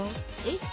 えっ？